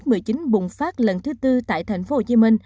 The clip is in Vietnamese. covid một mươi chín bùng phát lần thứ tư tại tp hcm